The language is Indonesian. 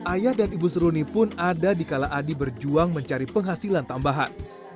ayah dan ibu seruni pun ada dikala adi berjuang mencari penghasilan tambahan